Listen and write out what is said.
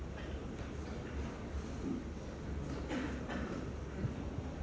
sudah coba ditayangkan